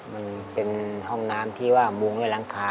มันเป็นห้องน้ำที่ว่ามุงไว้หลังคา